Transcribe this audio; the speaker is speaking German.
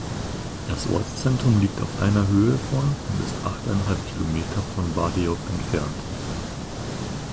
Das Ortszentrum liegt auf einer Höhe von und ist achteinhalb Kilometer von Bardejov entfernt.